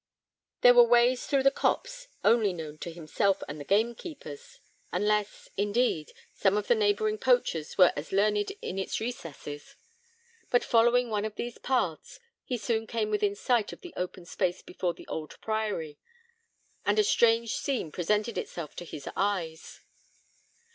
There were ways through that copse only known to himself and the gamekeepers, unless, indeed, some of the neighbouring poachers were as learned in its recesses; but following one of these paths, he soon came within sight of the open space before the old priory, and a strange scene presented itself to his eyes.